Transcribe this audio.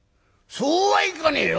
そうはいかねえよ！